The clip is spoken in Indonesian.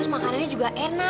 ini tuh makanan sempurna